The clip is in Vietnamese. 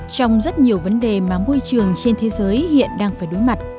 trong rất nhiều vấn đề mà môi trường trên thế giới hiện đang phải đối mặt